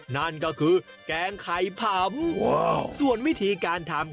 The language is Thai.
นั่นก็คือแกงไข่ผำส่วนวิธีการทำ